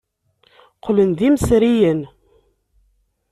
Qqlen d imesriyen.